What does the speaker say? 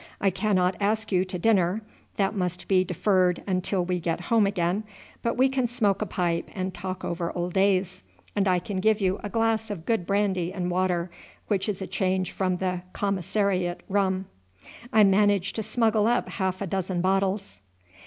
I cannot ask you to dinner that must be deferred until we get home again but we can smoke a pipe and talk over old days; and I can give you a glass of good brandy and water, which is a change from the commissariat rum. I managed to smuggle up half a dozen bottles."